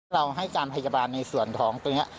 เราให้การพยาบาลในส่วนท้องตัวนี้